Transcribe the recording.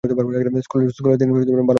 স্কুলে তিনি ভাল ফলাফল করেন।